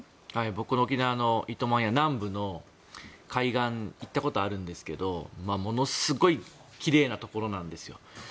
僕、沖縄の糸満南部の海岸に行ったことがあるんですけどものすごい奇麗なところなんですよ。